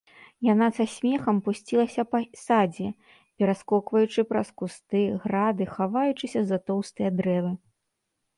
Яна са смехам пусцілася па садзе, пераскокваючы праз кусты, грады, хаваючыся за тоўстыя дрэвы.